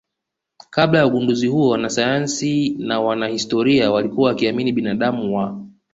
Kabla ya ugunduzi huo wanasayansi na wanahistoria walikuwa wakiamini binadamu wa